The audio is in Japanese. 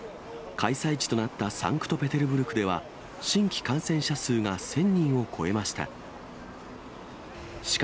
開催地となったサンクトペテルブルクでは、新規感染者数が１０００人を超えました。